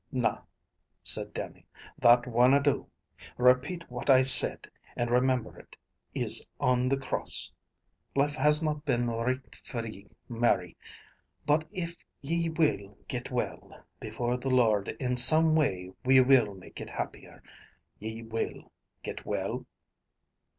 "Na," said Dannie. "That winna do. Repeat what I said, and remember it is on the cross. Life hasna been richt for ye, Mary, but if ye will get well, before the Lord in some way we will make it happier. Ye will get well?"